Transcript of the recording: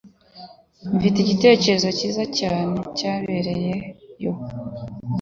Mfite igitekerezo cyiza cyane cyabereyeyo